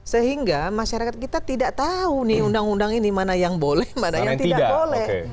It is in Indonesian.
sehingga masyarakat kita tidak tahu nih undang undang ini mana yang boleh mana yang tidak boleh